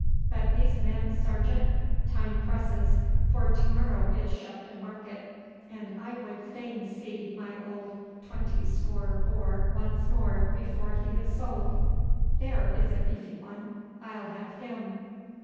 But these men, sergeant? Time presses, for to morrow is Shepton market, and I would fain see my old twenty score boar once more before he is sold. There is a beefy one. I'll have him.